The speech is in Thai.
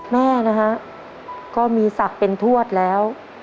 แม่นะฮะก็มีศักดิ์เป็นทวดแล้ว